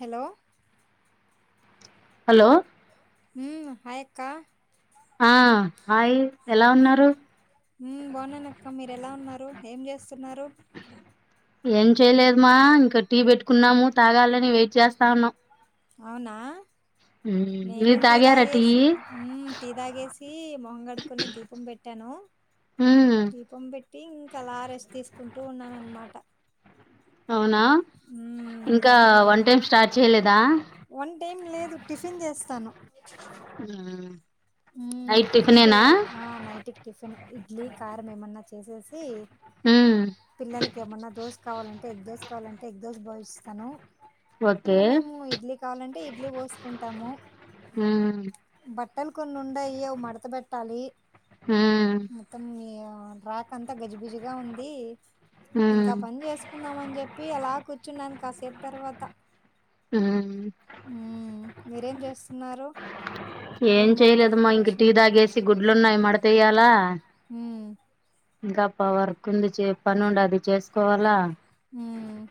Hello hello ఊమ్ hi అక్కా ఆ హాయ్ ఎలా ఉన్నారు ఉమ్ బాగున్నానక్క మీరు ఎలా ఉన్నారు ఏం చేస్తున్నారు ఏం చేయలేదు మా ఇంకా టీ పెట్టుకున్నాము తాగాలని వెయిట్ చేస్తా ఉన్నాము అవునా హ నేను టీ తాగేసి టీ ఉమ్మ్ తాగేసి మొహం కడుకొని దీపం పెట్టాను ఉమ్ దీపం పెట్టి ఇంకా అలా అ రెస్ట్ తీసుకుంటూ ఉన్నానునమాట అవునా ఇంకా వంట ఏం స్టార్ట్ చేయలేదా టైం లేదు టిఫిన్ చేస్తాను ఆ ఉ టిఫిన్ చేయాలి ఆ నైట్కి టిఫిన్ ఇడ్లీ కారం ఏమన్నా చేసేసి ఉమ్ పిల్లలకి ఏమన్నా దోశ కావాలంటే ఎగ్ దోశ కావాలంటే ఎగ్ దోశ విస్తాను ఓకే ఇంకా మేము ఇడ్లీ కావాలంటే ఇడ్లీ పోసుకుంటాము ఆ బట్టలు కొన్ని ఉండయి అవి మడత పెట్టాలి ఉమ్ మొత్తం ఆ ట్రాక్ అంతా గజిబిజిగా ఉంది ఉమ్ ఇంకా పని చేసుకుందామని చెప్పి అలా కూర్చున్నాను కాసేపు తర్వాత ఉమ్ ఉమ్ మీరేం చేస్తున్నారు ఏం వంట చేయలేదమ్మా ఇంక ప్రిపరేషన్ టీ తాగేసి గుడ్లున్నాయి మడతయ్యాల ఉమ్ ఇంకా ప వర్కు ఉంది పని ఉండది చేసుకోవాలా ఉమ్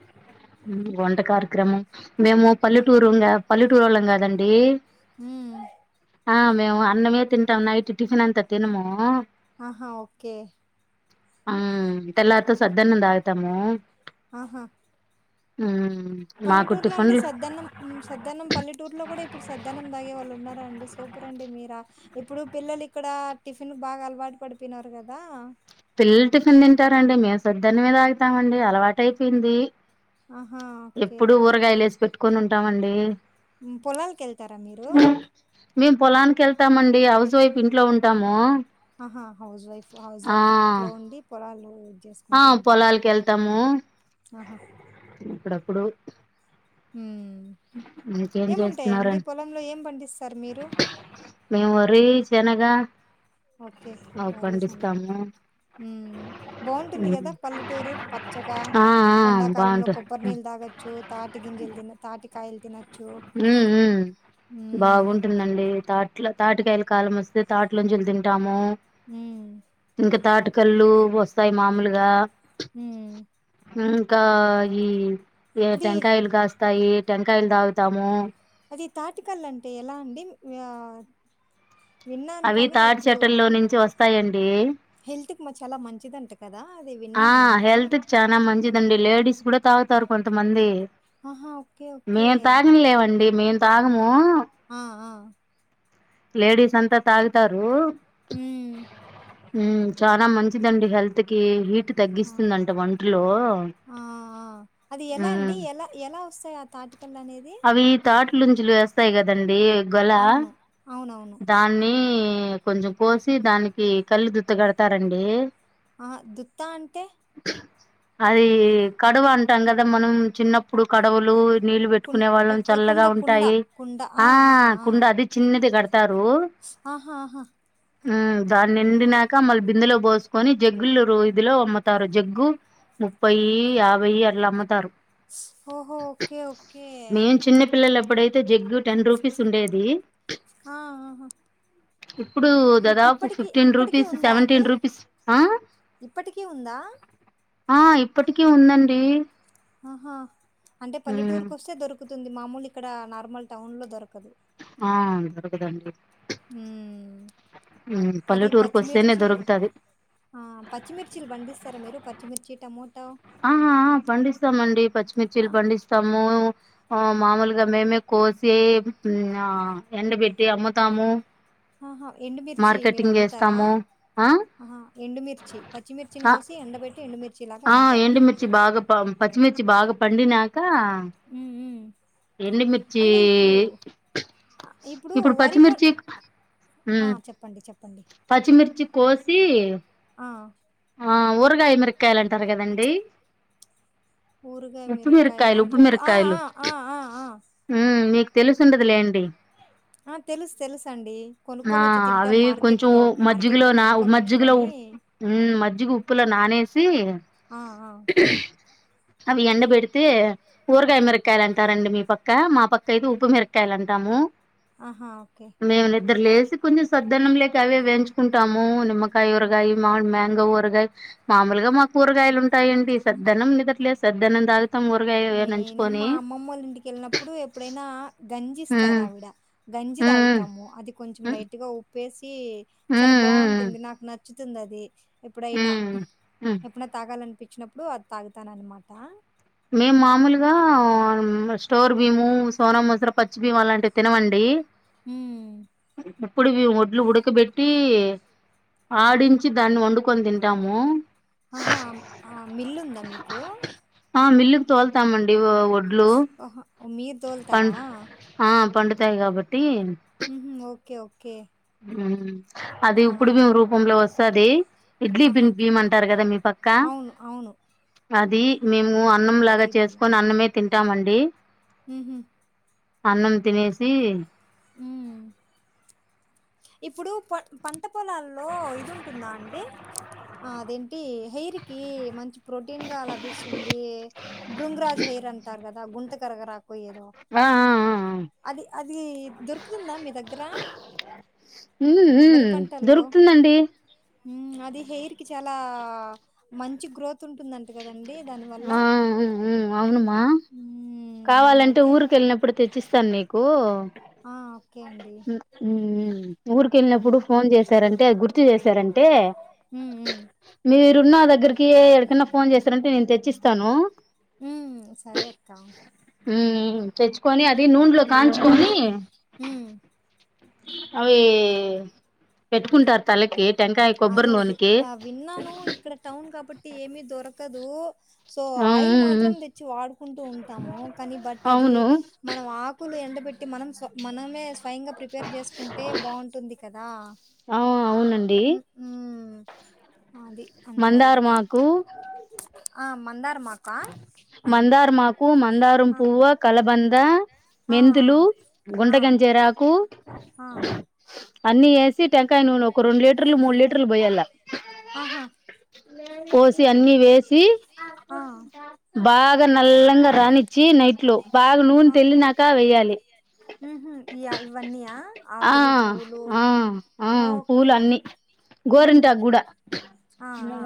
వంట కార్యక్రమం మేము పల్లెటూరు పల్లెటూరు వాళ్ళం కాదండి ఊమ్ ఆ మేము అన్నమే తింటాం నైట్ టిఫిన్ అంతా తిినము ఆహా ఓకే ఆ తెల్లారితే సద్దన్నము తాగుతాము ఆహా ఉమ్ మాకు పల్లెటూర్లో అంటే టిఫిన్లు సద్ద్దనం సద్దన్నము పల్లెటూర్లో కూడా ఇప్పుడు సద్దనం తాగే వాళ్ళు ఉన్నారు అండి సూపర్ అండి మీరా ఇప్పుడు పిల్లలు ఇక్కడ టిఫిన్ బాగా అలవాటు పడిపోయినారు కదా పిల్లలు టిఫిన్ తింటారండి మేము సద్దన్నమే తాగుతామండి అలవాట అయిపోయింది ఆహా ఓకే ఎప్పుడు ఊరగాయలు వేసి పెట్టుకొని ఉంటామండి పొలాలకి వెళ్తారా మీరు మేము పొలానికి వెళ్తామండి హౌస్ వైఫ్ ఇంట్లో ఉంటాము ఆహా హౌస్ వైఫ్ హౌస్ ఆ వైఫ్ ఇంట్లో ఉండి పొలాలు ఆ చేసుకుంటూ ఉంటారు పొలాలకు వెళ్తాము ఆహా అప్పుడప్పుడు ఉమ్ మీకేం చేస్తున్నారని పొలంలో ఏం పండిస్తారు మీరు మేము వరీ శనగా అవి పండిస్తాము ఊమ్ బాగుంటుంది కదా పల్లెటూరు పచ్చగా ఆ ఆ ఎండాకాలంలో బాగుంటది కొబ్బరినీళ్లు తాగచ్చు తాటి గింజలు తినీ తాటి ఊ ఉ అవునా? బాగుంటుందండి తాట్ల తాటికాయల కాాలం వస్తె తాటిముంజలు తింటాము హుమ్మ్ కళ్ళు వస్తాయి మామూలుగా హుమ్మ్ ఇంకా ఈ అది టెంకాయలు కాస్తాయి టెంకాయలు తాగుతాము అది తాటికల్లు అంటే ఎలా అండి ఆ అవి తాటి చెట్ల్లో నుంచి వస్తాయండి హెల్త్కి మా చాలా మంచిదంట కదా అది ఆ విన్నాను నేను హెల్త్ కి చాలా మంచిదండి లేడీస్ కూడా తాగుతారు కొంత మంది ఆహా! ఓకే. ఓకే. మేం తాగం లేవండి మేము తాగము ఆ! ఆ! లేడీస్ అంతా తాగుతారు ఉమ్ హ్మ్మ్ చాలా మంచిదండి హెల్త్ కి హీట్ ఆ! తగ్గిస్తుందంట ఒంటిలో ఆ అది ఎలా అండి ఎలా ఎలా వస్తాయి ఆ తాటికల్లు అనేది ముంజలు వేస్తాయి కదండి గొల అవును. అవునవును. దాన్ని కొంచం కోసి దానికి కల్లు దుత్త గడతారండి ఆ దుత్తా అంటే అది కడవ అంటాం కదా మనం చిన్నప్పుడు కడవలు నీళ్ళు పెట్టి కుం కునే వాళ్ళం ఒక కుండ చల్లగా కుండ ఉంటాయి కుండ ఆ ఆ కుండ అది చిన్నది గడత ఆహా ఆహా ఉ దాన్ని నిండినాక మళ్ళీ బిందులో పోసుకొని జగ్గులు ఇదిలో అమ్ముతారు జగ్గు ముప్పై యాభై అట్లా అమ్ముతారు ఓహో ఓకే ఓకే మేం చిన్న పిల్లలు అప్పుడైతే జగ్గు టెన్ రూపీస్ ఉండేది ఆ ఆహ ఇప్పుడు దాదాపు ఫిఫ్టీన్ ఇప్పటికీ రూపీస్ ఉందా అది సెవెంటీన్ రూపీస్ ఆ ఇప్పటికీ ఉందా ఆ ఇప్పటికీ ఉందండి ఆహా అంటే ఉమ్ పల్లెటూరుకి వస్తే దొరుకుతుంది మామూలు ఇక్కడ నార్మల్ టౌన్ లో దొరకదు ఆ దొరకదండి హుమ్మ్ ఉమ్ అది పల్లెటూరుకు వస్తేనే పచ్చిమిర్చి దొరుకుతది పచ్చిమిర్చిలు పండిస్తారా మీరు ప మిర్చి టమో ఆా ఆ పండిస్తామండి పచ్చిమిర్చీలు పండిస్తాము ఆ మామూలుగా మేమే కోసి ఎండ పెెట్టి అమ్ముతాము ఆహా ఎండుమిర్చి మీరు మార్కెటింగ్ అమ్ముతారా చేస్తాము ఆ ఆహ ఎండుమిర్చి పచ్చిమిర్చిని ఆ కోసి ఎండబెట్టి ఎండుమిర్చి లాగా అమ్ముతారు బా పా పచ్చిమిర్చి బాగా పండినాక హ్మ్. హ్మ్. ఎండుమిర్చి అంటే ఇప్పుడు ఆహ్, ఇప్పుడు వరి ప పచ్చిమిర్చి ఆ ఉమ్ చెప్పండి చెప్ప పచ్చిమిర్చి కోసి ఆ! ఆ ఊరగాయ మిరకాయలు అంటారు కదండి ఉప్పు ఊరుగామిరూపకయ మిరకాయలు అం ఉప్పు ఆ మిరకాయలు ఆ ఆ తెలుసుండదులేండి ఆ తెలుసు తెలుస అండి ఆ కొనుక్కొని వచ్చి తింటాం అవి మార్కెట్ కొంచెం లో మార్కెట్ లో కొనుక్కొని వచ్చుకని ఉ మజ్జిగ ఉప్పులో నానేసి ఆ ఆ అవి ఎండా పెడితే ఊరగాయ ఓకే. మిరక్కాయలు అంటారండి మీ పక్క మా పక్క అయితే ఉప్పు మిరక్కాయలు అంటాము ఆహా ఓకే ఇద్దరు లేసి కొంచెం సద్దన్నం లేక అవే వేంచుకుంటాము నిమ్మకాయ ఊరగాయ ఆ! మామిలు మ్యాంగో ఊరగాయ మామూలుగా మాకు కూరగాయలు ఉంటాయండి సద్దన్నం నిదట్లేసి సద్దన్నం తాగు నేను మా అమ్మమ్మళ్ళ ఇంటికి వెళ్ళినప్పుడు ఎప్పుడైనా ఉమ్ గంజిస్తారు ఆవిడ గంజి ఉమ్ తాగుతాము అది కొంచెం లైట్ గా ఉప్పేసి ఉమ్ చాలా బాగుంటుంది నాకు న నచ్చుతుంది అది ఎప్పుడైనా ఉమ్ ఉమ్ ఎప్పుడన్న తాగాలనిపించి పించినప్పుడు అది తాగుతానన్నమాట మేము మామూలుగా స్టోర్ బీము సోన మసురా పచ్చి భీము అలాంటివి తినమండి హ్మ్ ఎప్పుడు మేము ఒడ్లు ఉడకబెట్టి ఆహా ఆడించి దాన్ని వండుకొని తింట తింటాము ఆహా ఆ మిల్లుందా మీకు ఆ మిల్లు తోలుతామండి ఒడ్లు ఓహో మీరు పం తోలుతారా ఆ పండుతాయి కాబట్టి ఓకే ఓకే ఉమ్ అది ఆ ఇప్పుడు మేము రూపంలో వస్తుది ఇడ్లీ బీం ఆహా భీమ్ అంటారు కదా మీ పక్క అవును అవును అది మేము మేము అన్నం లాగా చేసుకొని అన్నమే తింటామండి మ్ హు అన్నం తినేసి ఉమ్ ఇప్పుడు ప పంట పొలాల్లో ఇది ఉంటుందా అండి ఆ అదేంటి హెయిర్ కి మంచి ప్రోటీన్ గా లభిస్తుంది బృంగ్రాజ్ హెయిర్ అంటారు కదా గుంత కరగరాకు పోయేదో ఆ ఆ ఆ అది అది దొరుకుతుందా మీ దగ్గర మ్మ్ వరి మ్మ్ పంటల్లో దొరుకుతుందండి ఉమ్ అది హెయిర్ కి చాలా ఆ మంచి గ్రోత్ ఉంటుందంట కదండి దానివల్ల ఆ అవును మా ఉమ్ కావాలంటే మేమైతే ఊరికి వెళ్ళినప్పుడు తెచ్చిస్తాను నీకు కూ ఆ ఓకే అండి ఊరికి వెళ్ళినప్పుడు ఉమ్ ఫోన్ చేసారంటే అది గుర్తు చేశారంటే ఉమ్ ఉమ్ మీరున్న దగ్గరికి ఎక్కడకన్నా ఫోన్ చేస్తారంటే నేను తెచ్చిస్తాను ఉమ్ సరే అక్క ఉమ్ తెచ్చుకొని అది నూనెలో కాంచుకొని ఉమ్ అవి పెట్టుకుంటారు తలకి టెంకాయ కొబ్బరి అదే అదే నూనెకి ఆ విన్నాను ఇక్కడ టౌన్ కాబట్టి ఏమీ దొరకదు సో ఆ ఆయిల్ మాత్రం తెచ్చి వాడుకుంటూ ఉంటాము కానీ బట్ అది అవును మనం ఆకులు ఎండ బె పెట్టి మనం స మనమే స్వయంగా ప్రిపేర్ చేసుకుంటే బాగుంటుంది కదా ఉమ్ అది అందువల్ల మందారమాకు ఆ మందా మందార మాకు మందారం ఆ పూవ్వ కలబంద ఆ మెంతులు గుంట ఆ ఆ గంజేరాకు ఆ, అన్ని వేసి టెంకాయ నూనె ఒక రెండు లీటర్లు మూడు లీటర్లు పోయాల్ల ఆహా పోసి అన్ని వేసి ఆ బాగా నల్లంగా రానిచ్చి నైట్ లో బాగా నూనె తెర్లినాకా వెయ్యాలి [inaudible] ఉమ్ హు ఇయ ఇవన్నీయా ఆ ఆకులు పువ్వులు ఆ ఓకే ఊహు గోరింటా గూడ ఆ ఆ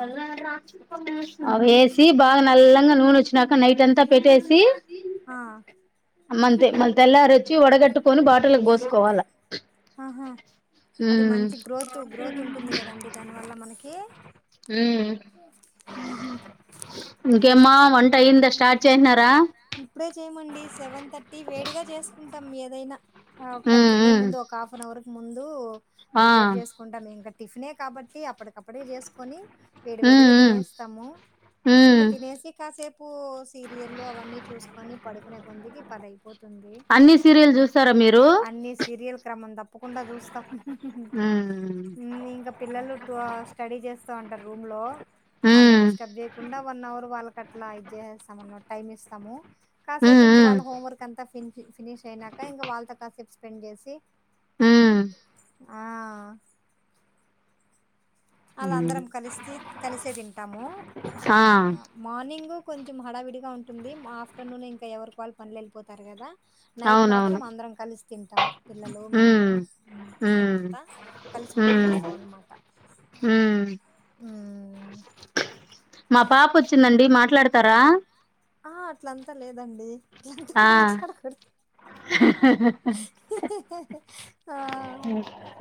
అవేసి బాగా నల్లంగ నూనె ఒచ్చినాక నైట్ అంతా పెట్టేసీ ఆ మంతే మన తెల్లారొచ్చి వడగట్టుకొని బాటల్లకి బోసుకోవాల ఆహా అది మంచి గ్రోత్ గ్రోత్ ఉంటుంది గదండి దానివల్ల మనకి ఉమ్ ఉహు మా వంట అయిందా స్టార్ట్ చేసినారా ఇప్పుడే చేయమండి సెవెన్ థర్టీ వేడిగా చేసుకుంటం ఏదైనా ఆ ఒక్క ఉమ్ తినే ఉమ్ ముందు ఒక హాఫ్ అన్ అవర్ ముందూ ఆ ప్రిపేర్ చేసుకుంటా ఇంక టిఫినే కాబట్టి అప్పటికప్పుడే చేసుకొని ఉమ్ వేడివేడిగా ఉమ్ దినేస్తము ఇంగ ఉమ్ తినేసి కాసేపు సీరియల్లు అవన్నీ చూసుకొని పడుకునే కొందికి పదై పోతుందీ అన్ని సీరియల్ చూస్తారా మీరు అన్నీ సీరియల్ క్రమం తప్పకుండా చూస్తాం ఉహుహుహు ఉమ్ ఊమ్ ఇంక పిల్లలు టూ అవర్స్ స్టడీ చేస్తా ఉంటరు రూమ్ లో ఆళ్ని ఉమ్ డిస్టర్బ్ జేయకుండా వన్ అవర్ వాళ్ళకి అట్లా ఇది జేసేస్తామన్న టైమ్ ఇస్తాము కాసేపు ఉమ్ ఇంక వాళ్ళ హోంవర్క్ అంతా ఫిన్షి ఫినీష్ అయినాక ఇంకా వాళ్ళతో కాసేపు స్పెండ్ చేసి. ఉమ్ ఆ ఉమ్ ఆళ్ళందరం కలిస్తీ కలిసే దింటామూ ఆ మార్నింగు కొంచెం హడావిడిగా ఉంటుంది, మ ఆఫ్టర్నూన్ ఇంకా ఎవరుక్ వాళ్ పనులు ఎళ్ళిపోతారు గదా. నైట్ అవునవును మాత్రం అందరం కలిసి తింటాం, పిల్లలు, మేము, హ్మ్ హ్మ్ మేమంతా. కలిస్ బోన్ చేస్సం అన్నమాట హూమ్ మా పాప ఒచ్చిందండి మాట్లాడతారా ఆ అట్లంతా లేదండి లంతో మాట్లాడకూడదు హహహహ హెహెహె ఆ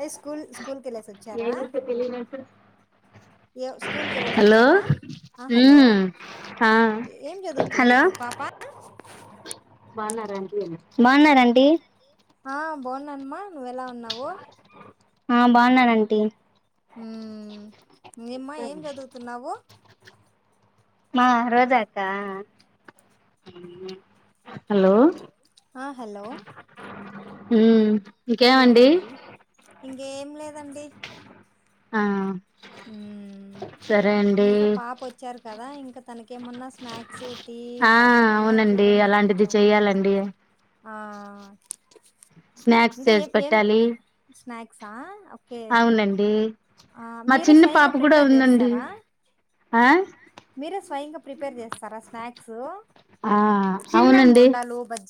అ స్కూల్ స్కూల్కి ఎళ్ళేసి ఒచ్చారా. [unintelligible] య స్కూల్కి ఎళ్ళేసొచ్చారా అ హలో అ ఏం చదువుతుంది హలో ఇప్పుడు పాప? బాగున్నారా ఆంటీ అను ఆ బాగున్నాన్ మా నువ్వెలా ఉన్నావు ఆ బాగున్నానాంటీ ఊ ఇంగేమ్మా ఏం జదువుతున్నావు హలో ఆ హలో ఊ ఇంకేం లేదండి ఆ ఊ సరే అండి ఇంక పాప ఒచ్చారు కదా ఇంకా తనకేమన్నా స్నాక్స్, టీ, ఆ ఇంకా అదేమన్నా అవునండి చూడండి. అలాంటిది కొంచెం చెయ్యాలండి ఆ స్నాక్స్ చేసి పెట్టాలి సా ఒ అవునండీ మా మీరే చిన్న పాప స్వయంగా కూడా ప్రిపేర్ ఉందండి చేస్తారా మీరే స్వయంగా ప్రిపేర్ చేస్తారా స్నాక్సూ ఆ అవునండి బజ్జి